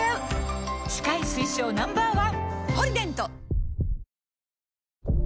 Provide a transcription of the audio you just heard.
歯科医推奨 Ｎｏ．１！